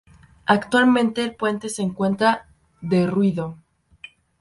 Actualmente el puente se encuentra derruido.